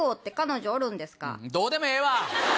どうでもええわ！